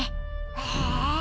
へえ。